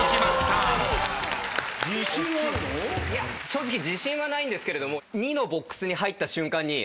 正直自信はないんですけれども２のボックスに入った瞬間に。